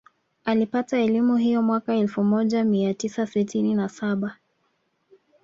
Alipata elimu hiyo mwaka elfu moja mia tiaa sitini na saba